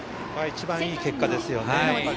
一番いい結果ですよね。